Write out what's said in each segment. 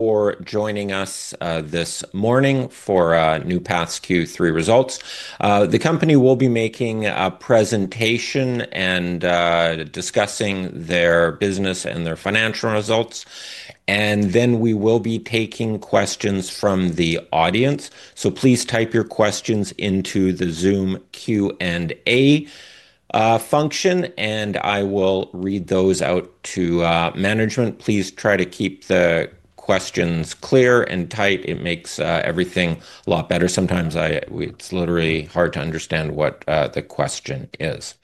For joining us this morning for NeuPath Q3 results. The company will be making a presentation and discussing their business and their financial results. Then we will be taking questions from the audience. Please type your questions into the Zoom Q&A function, and I will read those out to management. Please try to keep the questions clear and tight. It makes everything a lot better. Sometimes I, it's literally hard to understand what the question is.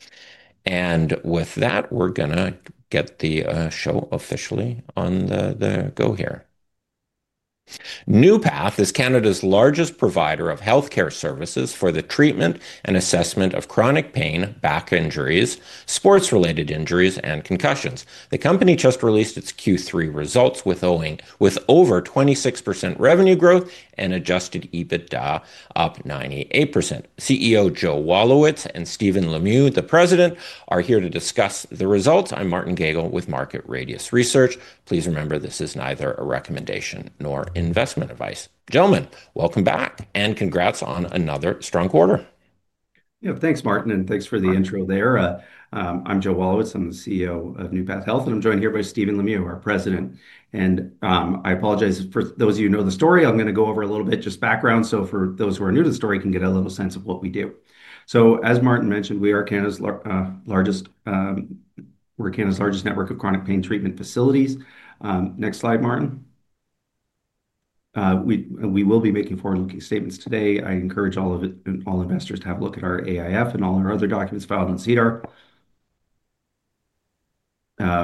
With that, we're gonna get the show officially on the go here. NeuPath is Canada's largest provider of healthcare services for the treatment and assessment of chronic pain, back injuries, sports-related injuries, and concussions. The company just released its Q3 results with over 26 percent revenue growth and adjusted EBITDA up 98 percent. CEO Joe Wolowitz and Steven Lemieux, the President, are here to discuss the results. I'm Martin Gagel with Market Radius Research. Please remember, this is neither a recommendation nor investment advice. Gentlemen, welcome back and congrats on another strong quarter. Yeah, thanks, Martin, and thanks for the intro there. I'm Joe Walewicz. I'm the CEO of NeuPath Health, and I'm joined here by Steven Lemieux, our President. I apologize for those of you who know the story. I'm gonna go over a little bit just background so for those who are new to the story can get a little sense of what we do. As Martin mentioned, we are Canada's largest network of chronic pain treatment facilities. Next slide, Martin. We will be making forward-looking statements today. I encourage all investors to have a look at our AIF and all our other documents filed in SEDAR.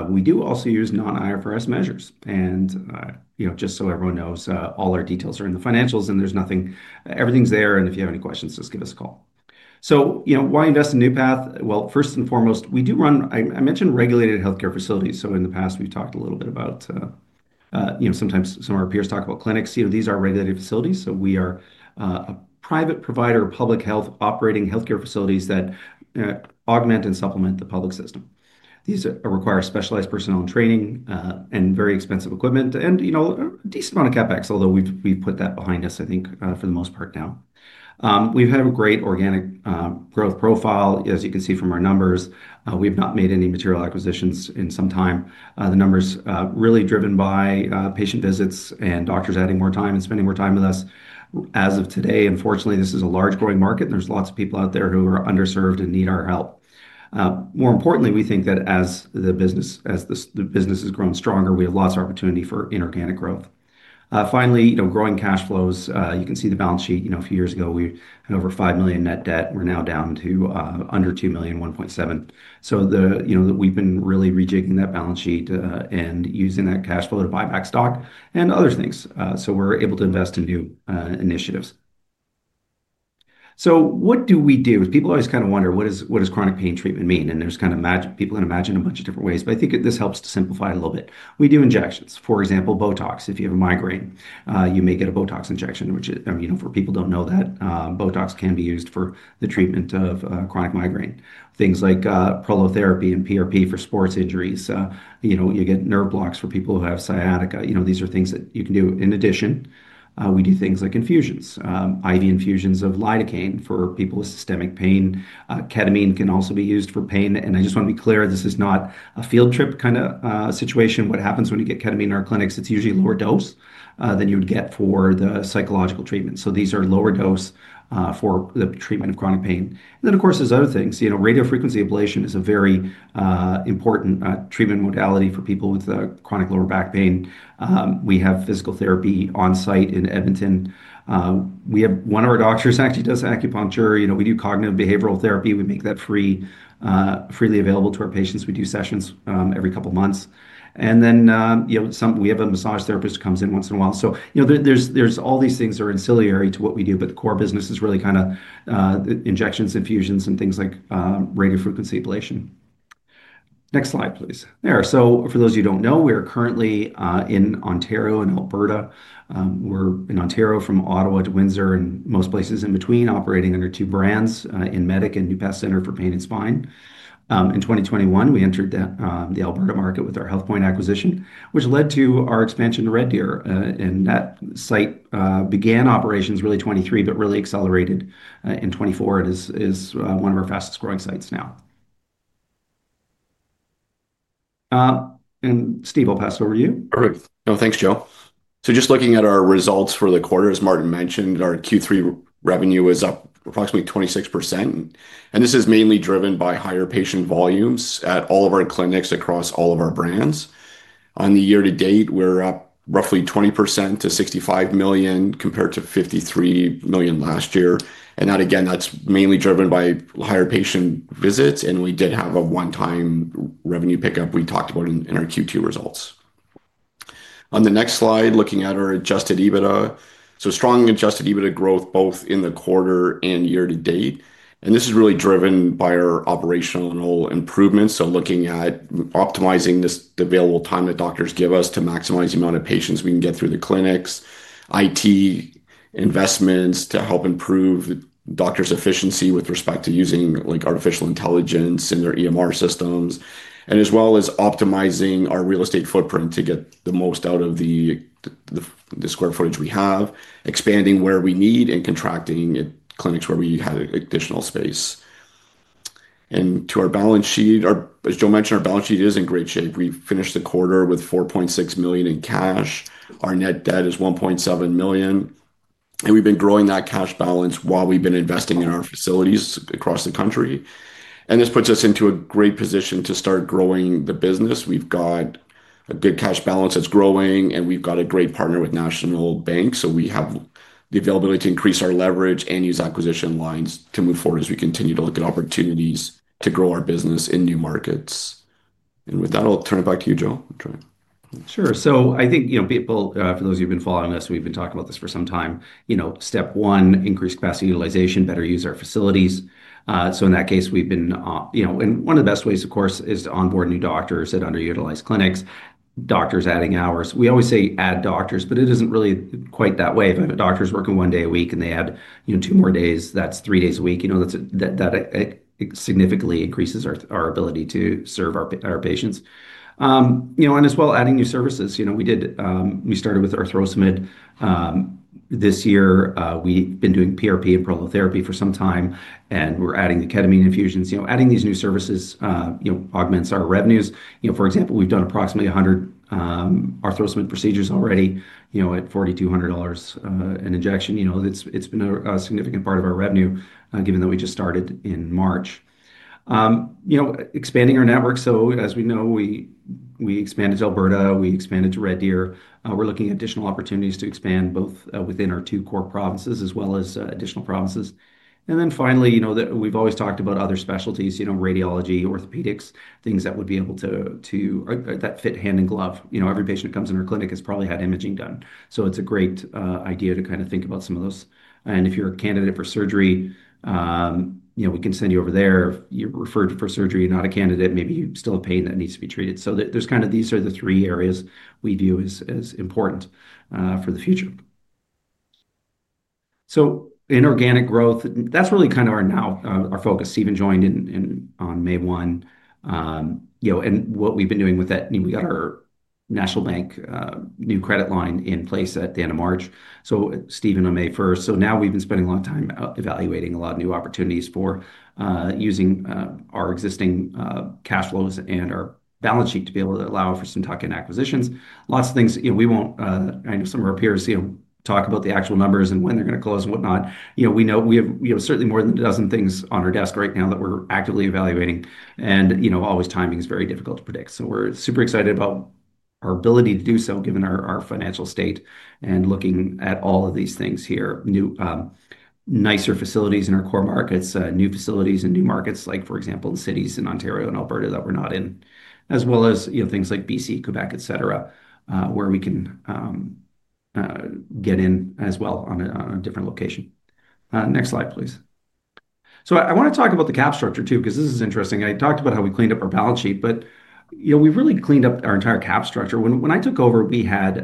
We do also use non-IFRS measures. You know, just so everyone knows, all our details are in the financials and there's nothing, everything's there. If you have any questions, just give us a call. You know, why invest in NeuPath? First and foremost, we do run, I mentioned, regulated healthcare facilities. In the past, we've talked a little bit about, you know, sometimes some of our peers talk about clinics. These are regulated facilities. We are a private provider of public health operating healthcare facilities that augment and supplement the public system. These require specialized personnel and training, and very expensive equipment and, you know, a decent amount of CapEx, although we've put that behind us, I think, for the most part now. We've had a great organic growth profile, as you can see from our numbers. We've not made any material acquisitions in some time. The numbers are really driven by patient visits and doctors adding more time and spending more time with us. As of today, unfortunately, this is a large growing market. There are lots of people out there who are underserved and need our help. More importantly, we think that as the business has grown stronger, we have lost our opportunity for inorganic growth. Finally, growing cash flows, you can see the balance sheet. A few years ago, we had over 5 million net debt. We are now down to under 2 million, 1.7 million. We have been really rejigging that balance sheet and using that cash flow to buy back stock and other things. We are able to invest in new initiatives. What do we do? People always kind of wonder, what does chronic pain treatment mean? There is kind of magic, people can imagine a bunch of different ways, but I think this helps to simplify it a little bit. We do injections. For example, Botox. If you have a migraine, you may get a Botox injection, which is, you know, for people who do not know that, Botox can be used for the treatment of chronic migraine. Things like prolotherapy and PRP for sports injuries. You know, you get nerve blocks for people who have sciatica. You know, these are things that you can do. In addition, we do things like infusions, IV infusions of lidocaine for people with systemic pain. Ketamine can also be used for pain. I just want to be clear, this is not a field trip kind of situation. What happens when you get ketamine in our clinics, it is usually lower dose than you would get for the psychological treatment. These are lower dose, for the treatment of chronic pain. And then, of course, there's other things. You know, radiofrequency ablation is a very important treatment modality for people with chronic lower back pain. We have physical therapy onsite in Edmonton. We have one of our doctors actually does acupuncture. You know, we do cognitive behavioral therapy. We make that free, freely available to our patients. We do sessions every couple months. And then, you know, some, we have a massage therapist who comes in once in a while. So, you know, there's all these things that are ancillary to what we do, but the core business is really kind of injections, infusions, and things like radiofrequency ablation. Next slide, please. There. For those of you who do not know, we are currently in Ontario and Alberta. We're in Ontario from Ottawa to Windsor and most places in between operating under two brands, in Medic and NeuPath Center for Pain and Spine. In 2021, we entered the Alberta market with our HealthPoint acquisition, which led to our expansion to Red Deer. That site began operations really 2023, but really accelerated in 2024. It is one of our fastest growing sites now. Steve, I'll pass it over to you. Perfect. No, thanks, Joe. Just looking at our results for the quarter, as Martin mentioned, our Q3 revenue was up approximately 26 percent. This is mainly driven by higher patient volumes at all of our clinics across all of our brands. On the year to date, we're up roughly 20 percent to 65 million compared to 53 million last year. That, again, is mainly driven by higher patient visits. We did have a one-time revenue pickup we talked about in our Q2 results. On the next slide, looking at our adjusted EBITDA. Strong adjusted EBITDA growth both in the quarter and year to date. This is really driven by our operational improvements. Looking at optimizing this, the available time that doctors give us to maximize the amount of patients we can get through the clinics, IT investments to help improve the doctor's efficiency with respect to using like artificial intelligence in their EMR systems, as well as optimizing our real estate footprint to get the most out of the square footage we have, expanding where we need and contracting at clinics where we had additional space. To our balance sheet, as Joe mentioned, our balance sheet is in great shape. We finished the quarter with 4.6 million in cash. Our net debt is 1.7 million. We have been growing that cash balance while we have been investing in our facilities across the country. This puts us into a great position to start growing the business. have got a good cash balance that is growing, and we have got a great partner with National Bank. We have the availability to increase our leverage and use acquisition lines to move forward as we continue to look at opportunities to grow our business in new markets. With that, I will turn it back to you, Joe. Sure. I think, you know, people, for those of you who've been following us, we've been talking about this for some time. Step one, increased capacity utilization, better use our facilities. In that case, we've been, you know, and one of the best ways, of course, is to onboard new doctors at underutilized clinics, doctors adding hours. We always say add doctors, but it isn't really quite that way. If a doctor's working one day a week and they add, you know, two more days, that's three days a week. That significantly increases our ability to serve our patients. You know, and as well adding new services. You know, we did, we started with Arthrosamid this year. We've been doing PRP and prolotherapy for some time, and we're adding the ketamine infusions. You know, adding these new services, you know, augments our revenues. You know, for example, we've done approximately 100 Arthrosamid procedures already, you know, at 4,200 dollars an injection. You know, it's been a significant part of our revenue, given that we just started in March. You know, expanding our network. As we know, we expanded to Alberta, we expanded to Red Deer. We're looking at additional opportunities to expand both within our two core provinces as well as additional provinces. Finally, you know, we've always talked about other specialties, you know, radiology, orthopedics, things that would be able to, that fit hand in glove. You know, every patient who comes in our clinic has probably had imaging done. It's a great idea to kind of think about some of those. If you're a candidate for surgery, you know, we can send you over there. If you're referred for surgery, you're not a candidate, maybe you still have pain that needs to be treated. There are kind of, these are the three areas we view as important for the future. Inorganic growth, that's really kind of our now, our focus. Steven joined in on May 1, you know, and what we've been doing with that, you know, we got our National Bank new credit line in place at the end of March. Steven on May 1. Now we've been spending a lot of time evaluating a lot of new opportunities for using our existing cash flows and our balance sheet to be able to allow for some tuck-in acquisitions. Lots of things, you know, we won't, I know some of our peers, you know, talk about the actual numbers and when they're gonna close and whatnot. You know, we know we have certainly more than a dozen things on our desk right now that we're actively evaluating. And, you know, always timing is very difficult to predict. We are super excited about our ability to do so given our financial state and looking at all of these things here, new, nicer facilities in our core markets, new facilities in new markets, like for example, the cities in Ontario and Alberta that we're not in, as well as, you know, things like BC, Quebec, et cetera, where we can get in as well on a different location. Next slide, please. I want to talk about the cap structure too, because this is interesting. I talked about how we cleaned up our balance sheet, but you know, we've really cleaned up our entire cap structure. When I took over, we had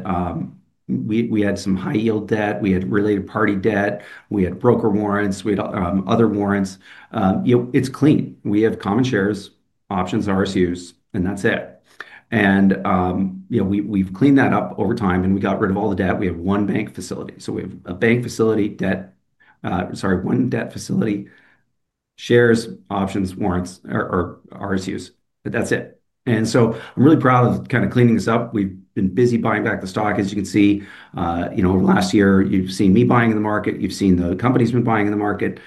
some high yield debt, we had related party debt, we had broker warrants, we had other warrants. You know, it's clean. We have common shares, options, RSUs, and that's it. And, you know, we've cleaned that up over time and we got rid of all the debt. We have one bank facility. So we have a bank facility debt, sorry, one debt facility, shares, options, warrants, or RSUs. That's it. I'm really proud of kind of cleaning this up. We've been busy buying back the stock, as you can see. You know, over the last year, you've seen me buying in the market, you've seen the company's been buying in the market.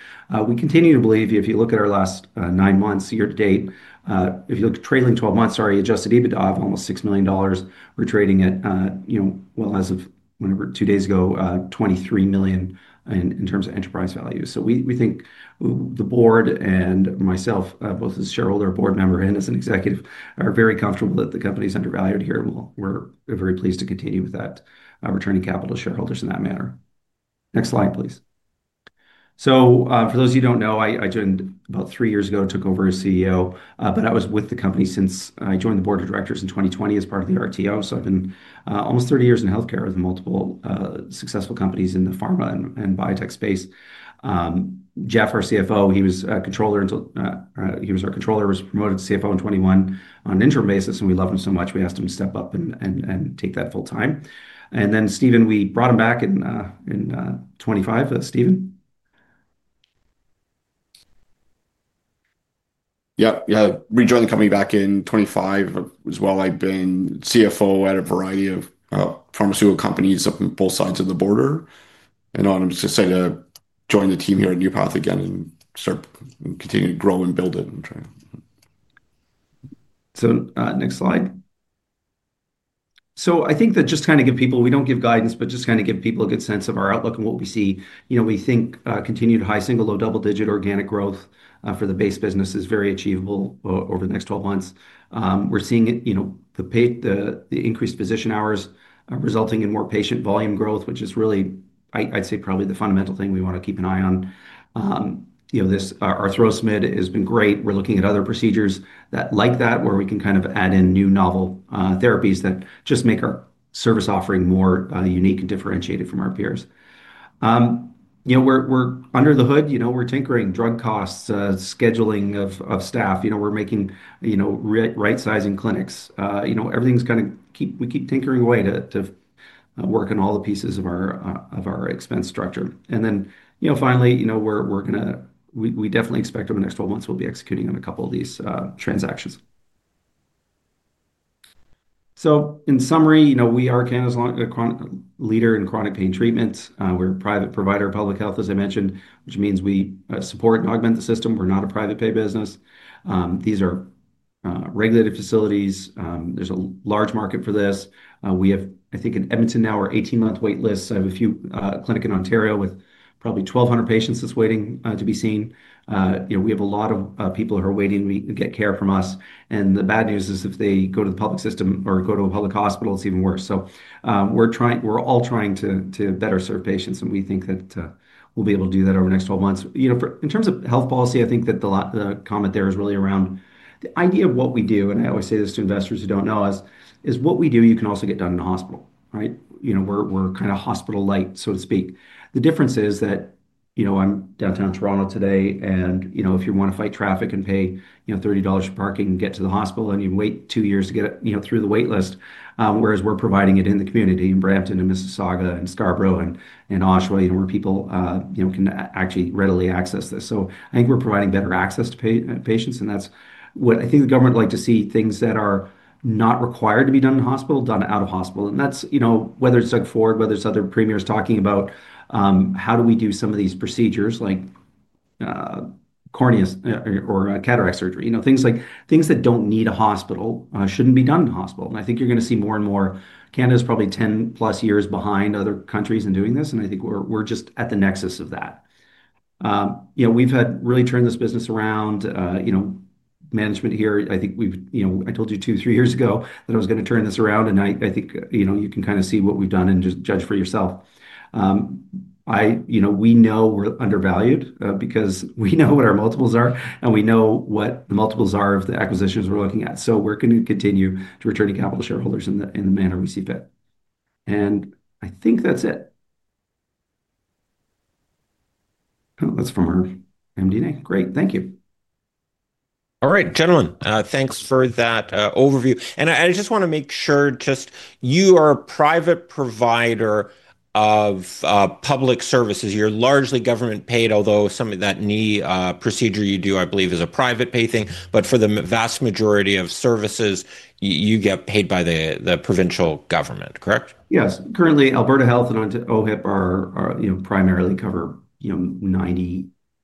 We continue to believe if you look at our last nine months, year to date, if you look at trailing 12 months, sorry, adjusted EBITDA of almost $6 million, we're trading at, you know, well as of whenever two days ago, 23 million in terms of enterprise value. We think the board and myself, both as shareholder, board member, and as an executive are very comfortable that the company is undervalued here. We're very pleased to continue with that, returning capital to shareholders in that manner. Next slide, please. For those of you who do not know, I joined about three years ago, took over as CEO, but I was with the company since I joined the board of directors in 2020 as part of the RTO. I've been almost 30 years in healthcare with multiple successful companies in the pharma and biotech space. Jeff, our CFO, he was a controller until he was our controller, was promoted to CFO in 2021 on an interim basis. We loved him so much, we asked him to step up and take that full time. Then Steven, we brought him back in in 2025. Steven. Yeah, yeah. Rejoined the company back in 2025 as well. I've been CFO at a variety of pharmaceutical companies up on both sides of the border. I wanted to say to join the team here at NeuPath again and start continuing to grow and build it and try to. Next slide. I think that just kind of gives people, we don't give guidance, but just kind of gives people a good sense of our outlook and what we see. You know, we think continued high single, low double digit organic growth for the base business is very achievable over the next 12 months. We're seeing it, you know, the increased physician hours resulting in more patient volume growth, which is really, I'd say probably the fundamental thing we want to keep an eye on. You know, this Arthrosamid has been great. We're looking at other procedures like that, where we can kind of add in new novel therapies that just make our service offering more unique and differentiated from our peers. You know, we're under the hood, we're tinkering drug costs, scheduling of staff. You know, we're making, you know, right-sizing clinics. You know, everything's kind of, we keep tinkering away to work on all the pieces of our expense structure. And then, you know, finally, you know, we're gonna, we definitely expect over the next 12 months, we'll be executing on a couple of these transactions. In summary, you know, we are Canada's leader in chronic pain treatments. We're a private provider of public health, as I mentioned, which means we support and augment the system. We're not a private pay business. These are regulated facilities. There's a large market for this. We have, I think in Edmonton now, we're 18-month wait lists. I have a few clinics in Ontario with probably 1,200 patients that's waiting to be seen. You know, we have a lot of people who are waiting to get care from us. The bad news is if they go to the public system or go to a public hospital, it's even worse. We are trying, we are all trying to better serve patients. We think that we will be able to do that over the next 12 months. You know, in terms of health policy, I think that the comment there is really around the idea of what we do. I always say this to investors who do not know us: what we do, you can also get done in the hospital, right? We are kind of hospital light, so to speak. The difference is that, you know, I am downtown Toronto today. If you want to fight traffic and pay $30 for parking and get to the hospital, then you wait two years to get it through the wait list. whereas we're providing it in the community in Brampton and Mississauga and Scarborough and, and Oshawa, you know, where people, you know, can actually readily access this. I think we're providing better access to patients. That's what I think the government would like to see, things that are not required to be done in the hospital, done out of hospital. That's, you know, whether it's Doug Ford, whether it's other premiers talking about how do we do some of these procedures like corneas or, or cataract surgery, you know, things like things that don't need a hospital, shouldn't be done in the hospital. I think you're gonna see more and more. Canada is probably 10 plus years behind other countries in doing this. I think we're, we're just at the nexus of that. You know, we've had really turned this business around, you know, management here. I think we've, you know, I told you two, three years ago that I was gonna turn this around. I think, you know, you can kind of see what we've done and just judge for yourself. I, you know, we know we're undervalued, because we know what our multiples are and we know what the multiples are of the acquisitions we're looking at. We are gonna continue to return capital to shareholders in the manner we see fit. I think that's it. Oh, that's from our MD&A. Great. Thank you. All right, gentlemen, thanks for that overview. I just wanna make sure, just you are a private provider of public services. You're largely government paid, although some of that knee procedure you do, I believe, is a private pay thing. For the vast majority of services, you get paid by the provincial government, correct? Yes. Currently, Alberta Health and OHIP are, you know, primarily cover, you know,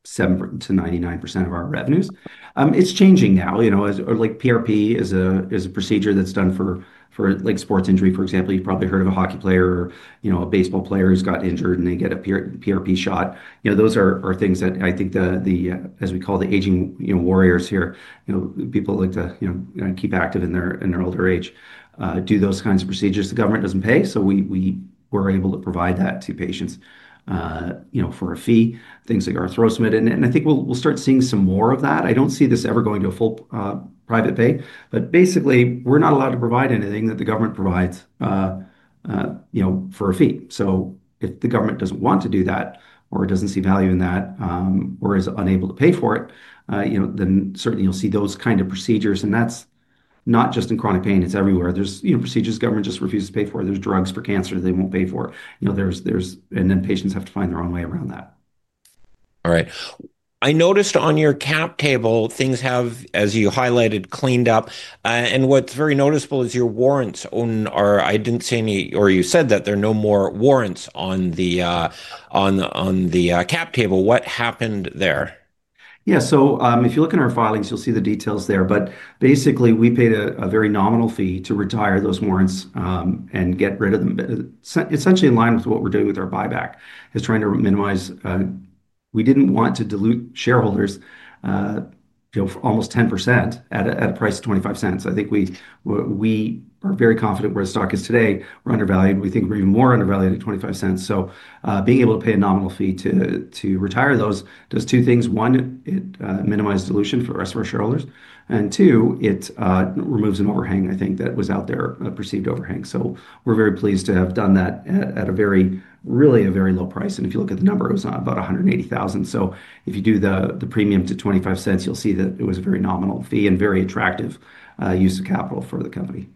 97-99 percent of our revenues. It's changing now, you know, as, or like PRP is a, is a procedure that's done for, for like sports injury. For example, you've probably heard of a hockey player or, you know, a baseball player who's got injured and they get a PRP shot. You know, those are things that I think the, as we call the aging, you know, warriors here, you know, people like to, you know, keep active in their, in their older age, do those kinds of procedures. The government doesn't pay. We were able to provide that to patients, you know, for a fee, things like Arthrosamid. I think we'll start seeing some more of that. I don't see this ever going to a full, private pay, but basically we're not allowed to provide anything that the government provides, you know, for a fee. If the government doesn't want to do that or it doesn't see value in that, or is unable to pay for it, you know, then certainly you'll see those kind of procedures. That's not just in chronic pain, it's everywhere. There's, you know, procedures the government just refuses to pay for. There's drugs for cancer they won't pay for. You know, there's, and then patients have to find their own way around that. All right. I noticed on your cap table, things have, as you highlighted, cleaned up. What's very noticeable is your warrants on, or I didn't see any, or you said that there are no more warrants on the cap table. What happened there? Yeah. If you look in our filings, you'll see the details there. Basically, we paid a very nominal fee to retire those warrants and get rid of them. Essentially, in line with what we're doing with our buyback, we are trying to minimize—we did not want to dilute shareholders, you know, for almost 10 percent at a price of $0.25. I think we are very confident where the stock is today. We're undervalued. We think we're even more undervalued at $0.25. Being able to pay a nominal fee to retire those, those two things: one, it minimized dilution for the rest of our shareholders, and two, it removes an overhang, I think, that was out there, a perceived overhang. We're very pleased to have done that at a really very low price. If you look at the number, it was about 180,000. If you do the premium to $0.25, you'll see that it was a very nominal fee and very attractive use of capital for the company.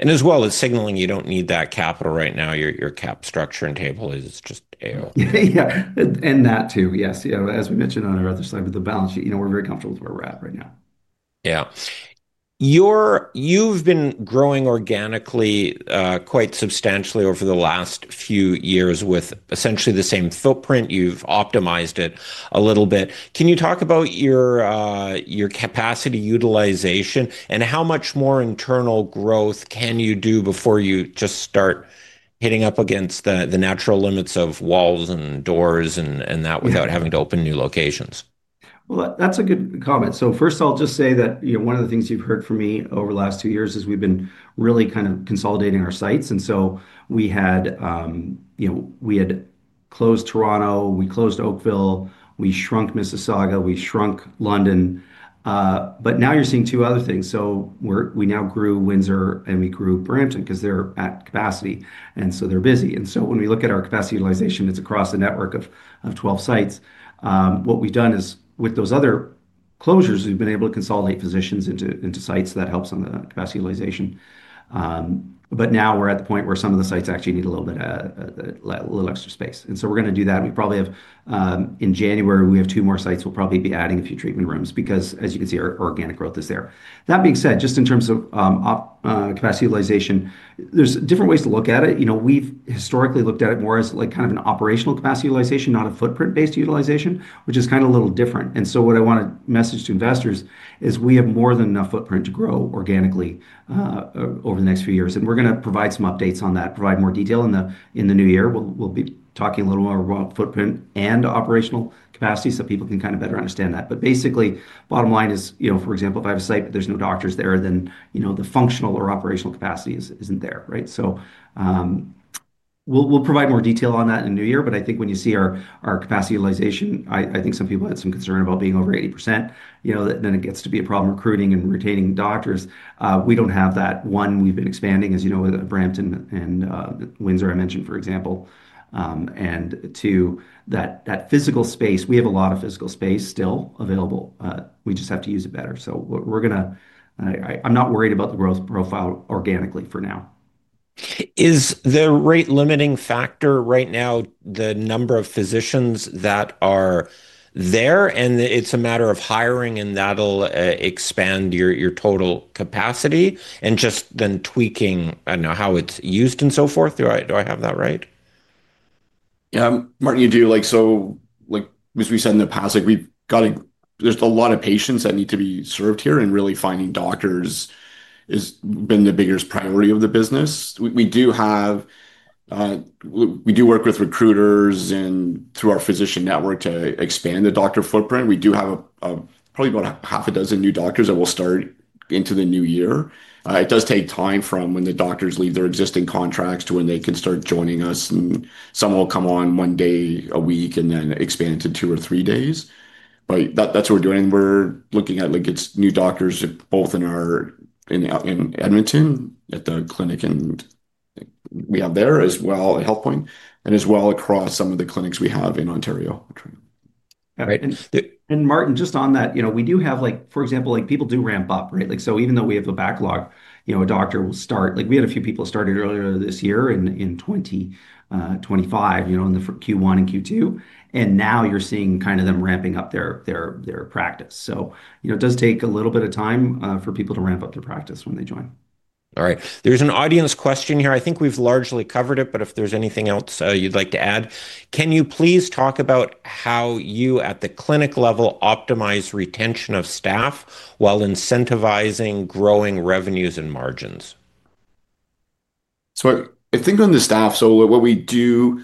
As well as signaling you do not need that capital right now, your cap structure and table is just air. Yeah. And that too. Yes. You know, as we mentioned on our other side of the balance sheet, you know, we're very comfortable with where we're at right now. Yeah. You've been growing organically, quite substantially over the last few years with essentially the same footprint. You've optimized it a little bit. Can you talk about your capacity utilization and how much more internal growth can you do before you just start hitting up against the natural limits of walls and doors and that without having to open new locations? That's a good comment. First, I'll just say that, you know, one of the things you've heard from me over the last two years is we've been really kind of consolidating our sites. We had closed Toronto, we closed Oakville, we shrunk Mississauga, we shrunk London. Now you're seeing two other things. We now grew Windsor and we grew Brampton because they're at capacity and so they're busy. When we look at our capacity utilization, it's across the network of 12 sites. What we've done is with those other closures, we've been able to consolidate positions into sites that helps on the capacity utilization. Now we're at the point where some of the sites actually need a little bit, a little extra space. We're going to do that. We probably have, in January, we have two more sites. We'll probably be adding a few treatment rooms because, as you can see, our organic growth is there. That being said, just in terms of, op, capacity utilization, there's different ways to look at it. You know, we've historically looked at it more as like kind of an operational capacity utilization, not a footprint-based utilization, which is kind of a little different. What I want to message to investors is we have more than enough footprint to grow organically, over the next few years. We're going to provide some updates on that, provide more detail in the new year. We'll be talking a little more about footprint and operational capacity so people can kind of better understand that. Basically, bottom line is, you know, for example, if I have a site, but there's no doctors there, then, you know, the functional or operational capacity isn't there, right? We'll provide more detail on that in the new year. I think when you see our capacity utilization, I think some people had some concern about being over 80 percent, you know, that then it gets to be a problem recruiting and retaining doctors. We don't have that. One, we've been expanding, as you know, with Brampton and Windsor I mentioned, for example. Two, that physical space, we have a lot of physical space still available. We just have to use it better. We're gonna, I, I'm not worried about the growth profile organically for now. Is the rate limiting factor right now the number of physicians that are there and it's a matter of hiring and that'll expand your total capacity and just then tweaking, I don't know how it's used and so forth. Do I, do I have that right? Yeah. Martin, you do like, so like as we said in the past, like we've gotta, there's a lot of patients that need to be served here and really finding doctors has been the biggest priority of the business. We do have, we do work with recruiters and through our physician network to expand the doctor footprint. We do have probably about half a dozen new doctors that will start into the new year. It does take time from when the doctors leave their existing contracts to when they can start joining us. Some will come on one day a week and then expand to two or three days. That, that's what we're doing. We're looking at like it's new doctors both in our, in Edmonton at the clinic and we have there as well at HealthPoint and as well across some of the clinics we have in Ontario. All right. Martin, just on that, you know, we do have, for example, people do ramp up, right? Even though we have a backlog, you know, a doctor will start, like we had a few people start earlier this year in 2025, you know, in Q1 and Q2. Now you're seeing kind of them ramping up their practice. It does take a little bit of time for people to ramp up their practice when they join. All right. There's an audience question here. I think we've largely covered it, but if there's anything else you'd like to add, can you please talk about how you at the clinic level optimize retention of staff while incentivizing growing revenues and margins? I think on the staff, what we do,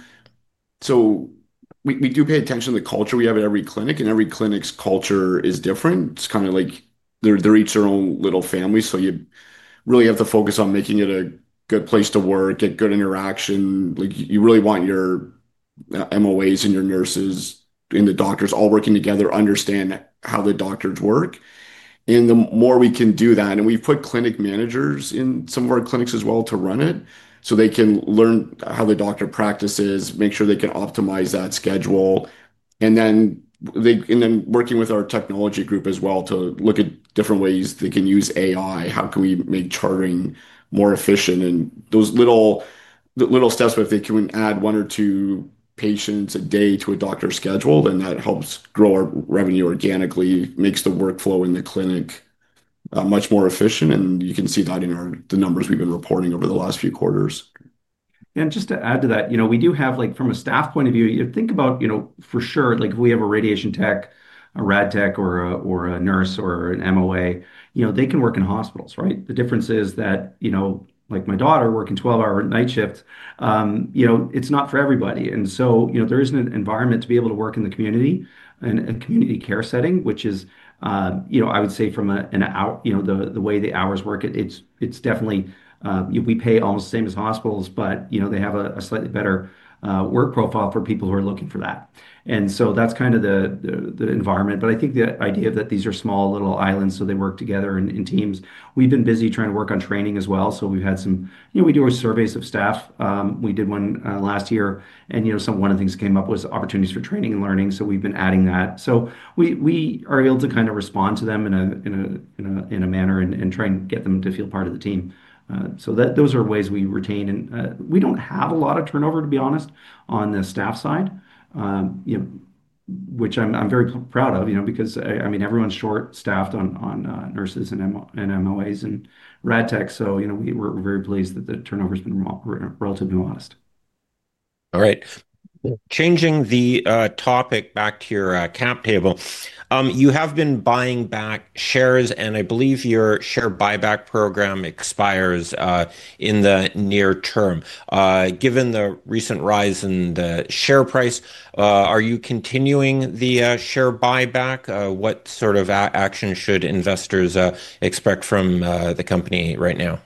we do pay attention to the culture we have at every clinic and every clinic's culture is different. It's kind of like they're each their own little family. You really have to focus on making it a good place to work, get good interaction. You really want your MOAs and your nurses and the doctors all working together, understand how the doctors work. The more we can do that, and we've put clinic managers in some of our clinics as well to run it so they can learn how the doctor practices, make sure they can optimize that schedule. Then working with our technology group as well to look at different ways they can use AI, how can we make charting more efficient and those little steps. If they can add one or two patients a day to a doctor schedule, then that helps grow our revenue organically, makes the workflow in the clinic much more efficient. You can see that in our, the numbers we've been reporting over the last few quarters. Just to add to that, you know, we do have, like, from a staff point of view, you think about, you know, for sure, like, if we have a radiation tech, a rad tech, or a nurse or an MOA, you know, they can work in hospitals, right? The difference is that, you know, like my daughter working 12-hour night shifts, you know, it's not for everybody. You know, there is an environment to be able to work in the community and community care setting, which is, you know, I would say from an hour, you know, the way the hours work, it's definitely, we pay almost the same as hospitals, but, you know, they have a slightly better work profile for people who are looking for that. That's kind of the environment. I think the idea that these are small little islands, so they work together in teams. We've been busy trying to work on training as well. We've had some, you know, we do our surveys of staff. We did one last year and, you know, one of the things that came up was opportunities for training and learning. We've been adding that. We are able to kind of respond to them in a manner and try and get them to feel part of the team. Those are ways we retain and we do not have a lot of turnover, to be honest, on the staff side, you know, which I'm very proud of, you know, because I mean, everyone's short staffed on nurses and MOAs and rad tech. You know, we're very pleased that the turnover has been relatively modest. All right. Changing the topic back to your cap table. You have been buying back shares and I believe your share buyback program expires in the near term. Given the recent rise in the share price, are you continuing the share buyback? What sort of action should investors expect from the company right now?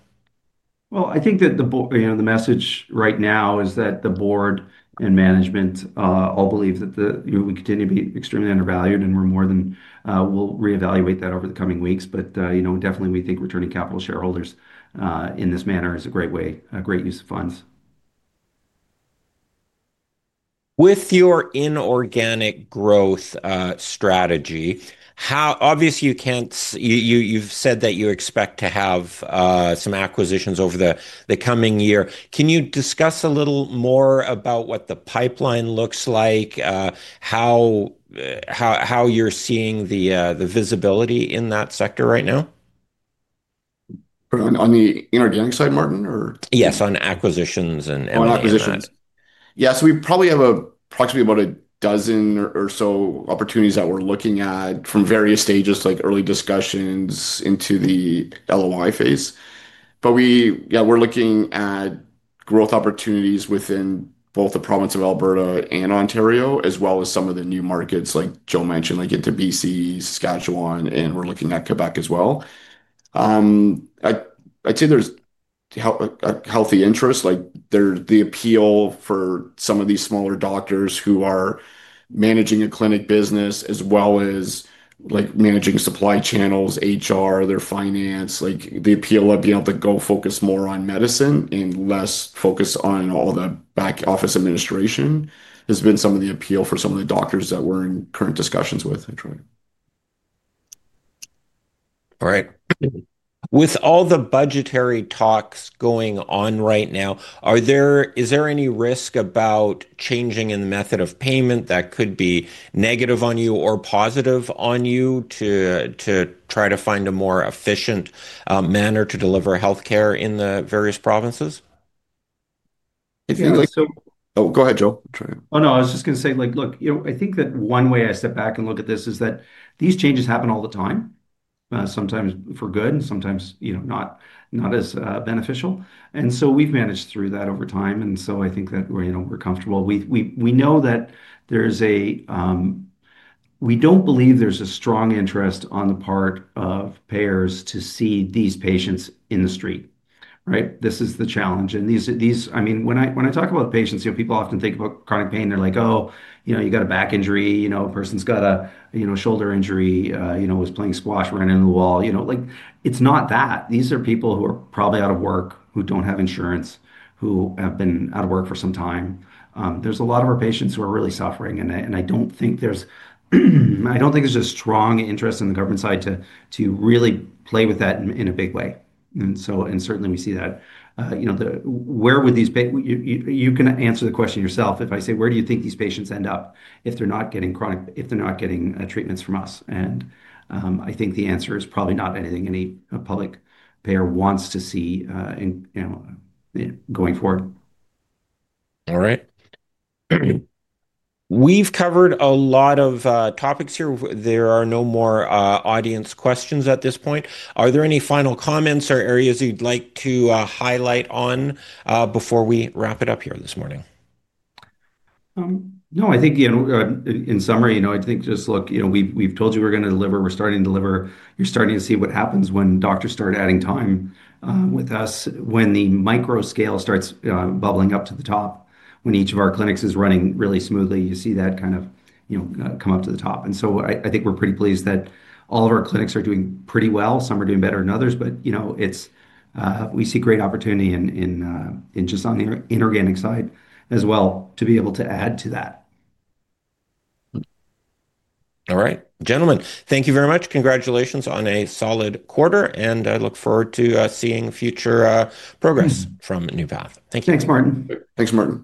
I think that the board, you know, the message right now is that the board and management all believe that the, you know, we continue to be extremely undervalued and we're more than, we'll reevaluate that over the coming weeks. You know, definitely we think returning capital to shareholders in this manner is a great way, a great use of funds. With your inorganic growth strategy, how obviously you can't, you, you've said that you expect to have some acquisitions over the coming year. Can you discuss a little more about what the pipeline looks like, how you're seeing the visibility in that sector right now? On the inorganic side, Martin, or? Yes. On acquisitions. On acquisitions. Yeah. We probably have approximately about a dozen or so opportunities that we're looking at from various stages, like early discussions into the LOI phase. Yeah, we're looking at growth opportunities within both the province of Alberta and Ontario, as well as some of the new markets like Joe mentioned, like into BC, Saskatchewan, and we're looking at Quebec as well. I'd say there's healthy interest, like there's the appeal for some of these smaller doctors who are managing a clinic business as well as managing supply channels, HR, their finance, like the appeal of being able to go focus more on medicine and less focus on all the back office administration has been some of the appeal for some of the doctors that we're in current discussions with in Troy. All right. With all the budgetary talks going on right now, is there any risk about changing in the method of payment that could be negative on you or positive on you to try to find a more efficient manner to deliver healthcare in the various provinces? If you'd like to. Oh, go ahead, Joe. Oh no, I was just gonna say like, look, you know, I think that one way I step back and look at this is that these changes happen all the time, sometimes for good and sometimes, you know, not as beneficial. We have managed through that over time. I think that we're, you know, we're comfortable. We know that there's a, we don't believe there's a strong interest on the part of payers to see these patients in the street, right? This is the challenge. When I talk about patients, you know, people often think about chronic pain. They're like, oh, you know, you got a back injury, you know, a person's got a, you know, shoulder injury, you know, was playing squash, ran into the wall, you know, like it's not that. These are people who are probably out of work, who do not have insurance, who have been out of work for some time. There is a lot of our patients who are really suffering. I do not think there is a strong interest on the government side to really play with that in a big way. Certainly we see that, you know, where would these patients end up if they are not getting chronic, if they are not getting treatments from us? I think the answer is probably not anything any public payer wants to see, you know, going forward. All right. We've covered a lot of topics here. There are no more audience questions at this point. Are there any final comments or areas you'd like to highlight on before we wrap it up here this morning? No, I think, you know, in summary, you know, I think just look, you know, we've told you we're gonna deliver, we're starting to deliver, you're starting to see what happens when doctors start adding time with us, when the micro scale starts bubbling up to the top, when each of our clinics is running really smoothly, you see that kind of, you know, come up to the top. I think we're pretty pleased that all of our clinics are doing pretty well. Some are doing better than others, but, you know, we see great opportunity in, in just on the inorganic side as well to be able to add to that. All right. Gentlemen, thank you very much. Congratulations on a solid quarter. I look forward to seeing future progress from NeuPath. Thank you. Thanks, Martin. Thanks, Martin.